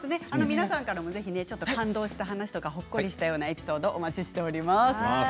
皆さんからもぜひ感動した話とかほっこりしたようなエピソードをお待ちしています。